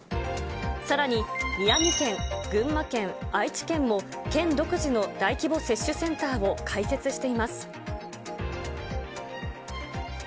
さらに、宮城県、群馬県、愛知県も、県独自の大規模接種センターを開設しています。